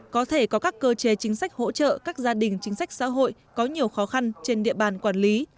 có thể có các cơ chế chính sách hỗ trợ các gia đình chính sách xã hội có nhiều khó khăn trên địa bàn quản lý